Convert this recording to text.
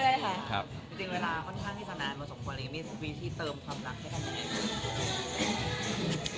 เวลามาสงคับมีเวลาที่เติมความรักคาดรักให้แค่ไหน